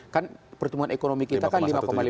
kan pertumbuhan ekonomi kita kan lima lima